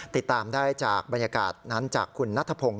ติดตามได้จากบรรยากาศนั้นจากคุณนัทพงศ